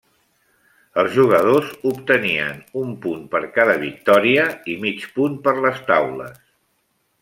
Els jugadors obtenien un punt per cada victòria i mig punt per les taules.